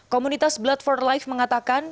komunitas blood for life mengatakan